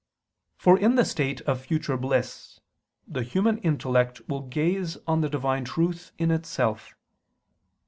For in the state of future bliss, the human intellect will gaze on the Divine Truth in Itself.